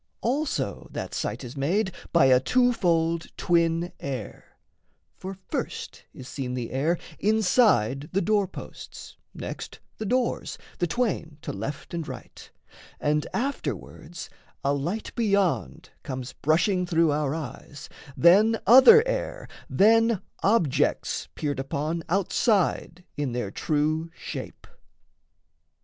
Also that sight is made By a twofold twin air: for first is seen The air inside the door posts; next the doors, The twain to left and right; and afterwards A light beyond comes brushing through our eyes, Then other air, then objects peered upon Outside in their true shape.